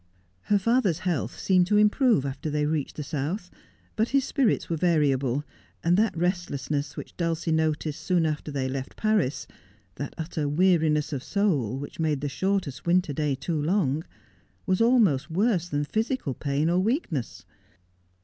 Her father's health seemed to improve after they reached the South, but his spirits were variable, and that restlessness which Dulcie noticed soon after they left Paris— that utter weariness of soul which made the shortest winter day too long — was_ almost worse than physical pain or weakness.